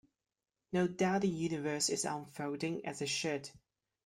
No doubt the universe is unfolding as it should.